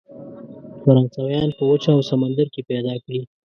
فرانسویان په وچه او سمندر کې پیدا کړي.